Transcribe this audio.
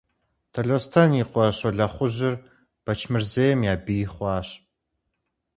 Талъостэн и къуэ Щолэхъужьыр Бэчмырзейм я бий хъуащ.